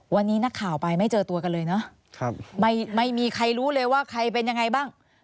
วันนี้นักข่าวไปไม่เจอตัวกันเลยเนอะไม่มีใครรู้เลยว่าใครเป็นยังไงบ้าง